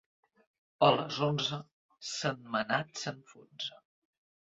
A les onze, Sentmenat s'enfonsa.